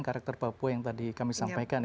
karakter papua yang tadi kami sampaikan